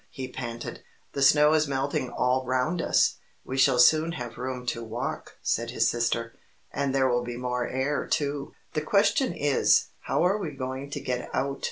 he panted. "The snow is melting all round us we shall soon have room to walk," said his sister. "And there will be more air, too." "The question is, how are we going to get out?"